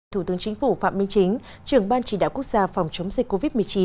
thủ tướng chính phủ phạm minh chính trưởng ban chỉ đạo quốc gia phòng chống dịch covid một mươi chín